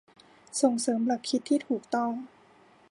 ส่งเสริมหลักคิดที่ถูกต้อง